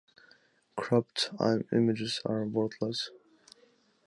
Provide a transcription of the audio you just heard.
Cropped images are worthless.